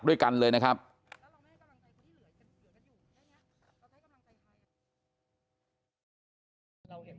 ข้อความครั้งแรกตอนไหนเป็นอะไรคะ